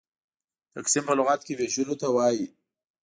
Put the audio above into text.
تقسيم په لغت کښي وېشلو ته وايي.